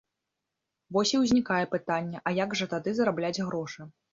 Вось і ўзнікае пытанне, а як жа тады зарабляць грошы?